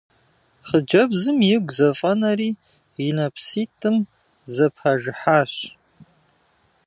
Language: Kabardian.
Хъыджэбзым игу зэфӏэнэри и нэпситӏым зэпажыхьащ.